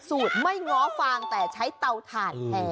สูตรไม่ง้อฟางแต่ใช้เตาถ่านแทน